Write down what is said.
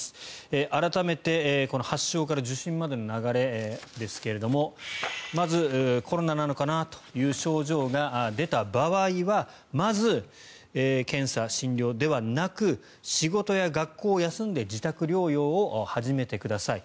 改めて発症から受診までの流れですがまず、コロナなのかなという症状が出た場合はまず、検査、診療ではなく仕事や学校を休んで自宅療養を始めてください。